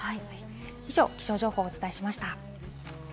以上、気象情報をお伝えしました。